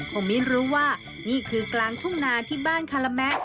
คงไม่รู้ว่านี่คือกลางทุ่งนาที่บ้านคาราแมะ